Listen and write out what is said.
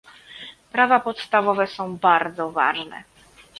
Prawa podstawowe są bardzo ważne